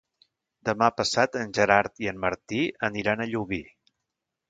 Demà passat en Gerard i en Martí aniran a Llubí.